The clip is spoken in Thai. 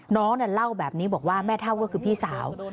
น้องเล่าแบบนี้บอกว่าแม่เท่าก็คือพี่สาว